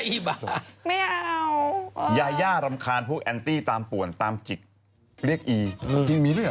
ยาย่ายาย่ารำคาญพวกแอนตี้ตามป่วนตามจิกเรียกอีอืมมีมีด้วย